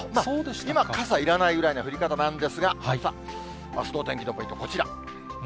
今、傘いらないぐらいな降り方なんですが、さあ、あすの天気のポイント、こちら。